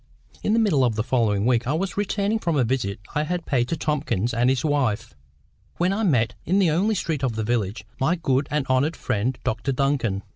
In the middle of the following week I was returning from a visit I had paid to Tomkins and his wife, when I met, in the only street of the village, my good and honoured friend Dr Duncan.